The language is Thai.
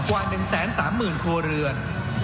กว่า๑๓๐๐๐ครัวเรือน